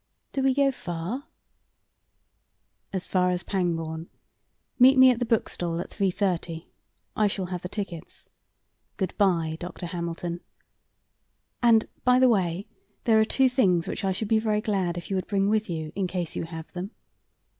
"Do we go far?" "As far as Pangbourne. Meet me at the bookstall at 3:30. I shall have the tickets. Goodbye, Dr. Hamilton! And, by the way, there are two things which I should be very glad if you would bring with you, in case you have them.